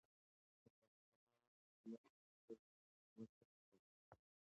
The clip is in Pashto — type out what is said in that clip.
او دالله تعالى حكومت په ځانګړي ډول حكومت سره تعبيروي .